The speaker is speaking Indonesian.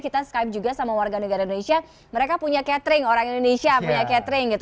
kita skype juga sama warga negara indonesia mereka punya catering orang indonesia punya catering gitu